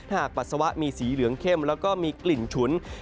ปัสสาวะมีสีเหลืองเข้มแล้วก็มีกลิ่นฉุน